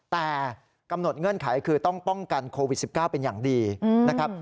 แต่กำหนดเงื่อนไขคือต้องป้องกันโควิด๑๙เป็นอย่างดีนะครับ